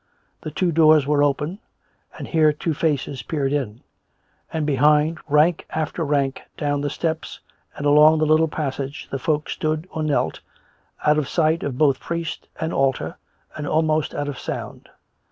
The two doors were open, and here two faces peered in; and behind, rank after rank down the steps and along the little passage, the folk stood or knelt, out of sight of both priest and altar, and almost out of sound.